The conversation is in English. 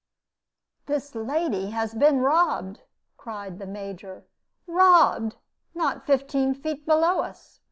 "This lady has been robbed!" cried the Major; "robbed, not fifteen feet below us.